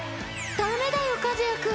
ダメだよ和也君。